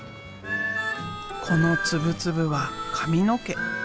この粒々は髪の毛。